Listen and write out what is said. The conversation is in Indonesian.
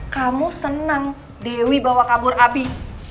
kamu senang dewi bawa kabur abi